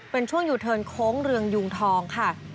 เป็นช่วงยูเทิร์นโค้งเรืองยุงทองค่ะ